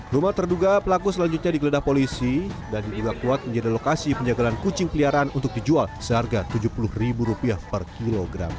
rumah terduga pelaku selanjutnya digeledah polisi dan diduga kuat menjadi lokasi penjagalan kucing peliharaan untuk dijual seharga rp tujuh puluh per kilogram